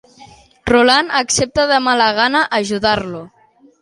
Roland accepta de mala gana ajudar-lo.